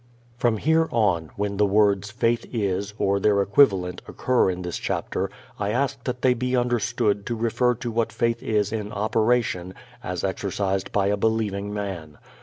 From here on, when the words "faith is" or their equivalent occur in this chapter I ask that they be understood to refer to what faith is in operation as exercised by a believing man.